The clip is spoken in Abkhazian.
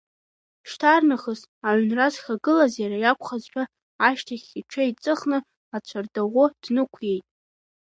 Шьҭарнахыс аҩнра зхагылаз иара иакәхазшәа, ашьҭахь иҽеиҵыхны ацәардаӷәы днықәиеит.